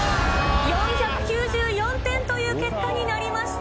４９４点という結果になりました。